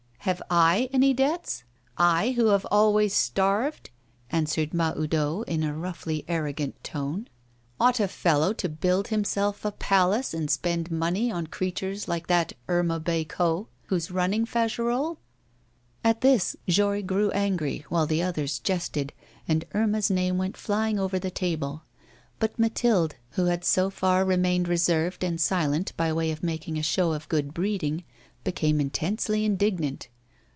Have I any debts, I who have always starved?' answered Mahoudeau in a roughly arrogant tone. 'Ought a fellow to build himself a palace and spend money on creatures like that Irma Bécot, who's ruining Fagerolles?' At this Jory grew angry, while the others jested, and Irma's name went flying over the table. But Mathilde, who had so far remained reserved and silent by way of making a show of good breeding, became intensely indignant.